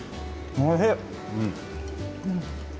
おいしい。